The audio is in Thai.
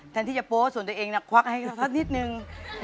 แทนที่จะโป๊ส่วนตัวเองควักให้เขาสักนิดนึง